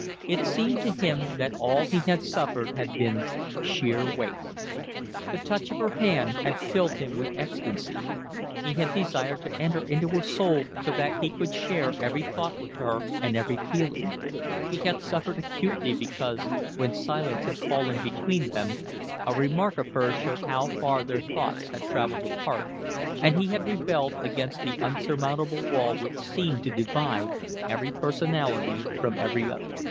It seemed to him that all he had suffered had been sheer waste. The touch of her hand had filled him with ecstasy; he had desired to enter into her soul so that he could share every thought with her and every feeling; he had suffered acutely because, when silence had fallen between them, a remark of hers showed how far their thoughts had travelled apart, and he had rebelled against the unsurmountable wall which seemed to divide every personality from every other.